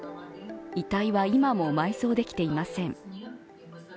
遺体は今も埋葬できていません。